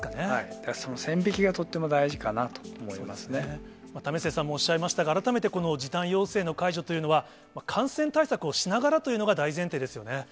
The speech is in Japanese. だからそこの線引きが、為末さんもおっしゃいましたが、改めて、この時短要請の解除というのは、感染対策をしながらというのが大前提ですよね。